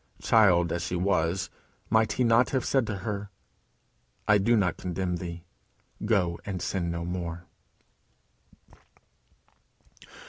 Child as she was, might he not have said to her, "I do not condemn thee: go and sin no more"?